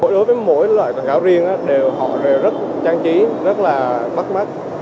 đối với mỗi loại quảng cáo riêng họ đều rất trang trí rất là bắt mắt